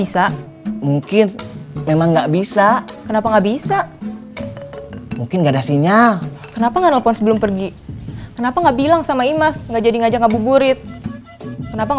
saya tahu sama muslihat idris ada di bandung